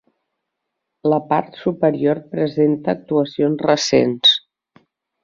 La part superior presenta actuacions recents.